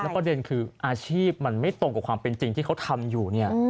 ประเด็นคืออาชีพมันไม่ตรงกับความเป็นจริงที่เขาทำอยู่เนี่ย